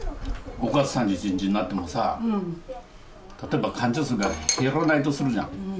５月３１日になってもさ、例えば患者数が減らないとするじゃん。